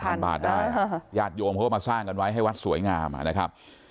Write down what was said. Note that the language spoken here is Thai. พันบาทได้ญาติโยมเขาก็มาสร้างกันไว้ให้วัดสวยงามนะครับ